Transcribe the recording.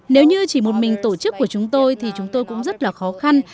nếu như chỉ một mình tổ chức của chúng tôi thì chúng tôi cũng rất là khó khăn